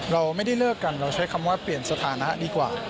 เราไม่ได้เลิกกันเราใช้คำว่าเปลี่ยนสถานะดีกว่า